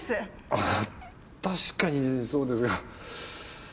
あぁ確かにそうですが。